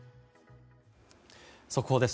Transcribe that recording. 速報です。